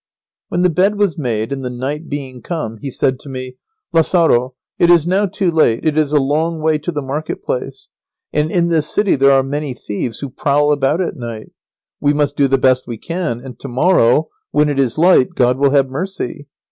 When the bed was made, and the night being come, he said to me: "Lazaro, it is now too late, it is a long way to the market place, and in this city there are many thieves who prowl about at night. We must do the best we can, and to morrow, when it is light, God will have mercy.